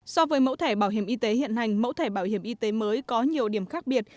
so với mẫu thẻ bảo hiểm y tế hiện hành mẫu thẻ bảo hiểm y tế mới có nhiều điểm khác biệt